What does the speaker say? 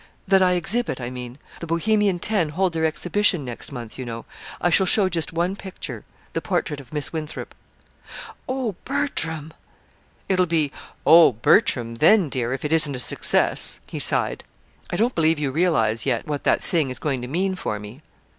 "That I exhibit, I mean. The Bohemian Ten hold their exhibition next month, you know. I shall show just one picture the portrait of Miss Winthrop." "Oh, Bertram!" "It'll be 'Oh, Bertram!' then, dear, if it isn't a success," he sighed. "I don't believe you realize yet what that thing is going to mean for me."